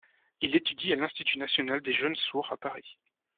Il étudie à l'Institut national des jeunes sourds à Paris.